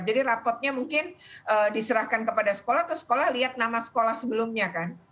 jadi rapotnya mungkin diserahkan kepada sekolah atau sekolah lihat nama sekolah sebelumnya kan